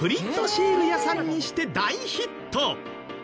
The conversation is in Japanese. シール屋さんにして大ヒット！